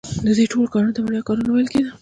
دې ټولو کارونو ته وړیا کارونه ویل کیده.